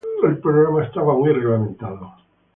El programa estaba muy reglamentado.